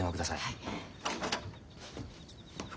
はい。